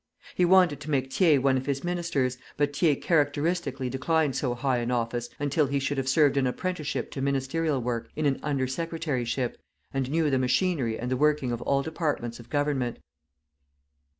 He wanted to make Thiers one of his ministers, but Thiers characteristically declined so high an office until he should have served an apprenticeship to ministerial work in an under secretary ship, and knew the machinery and the working of all departments of government.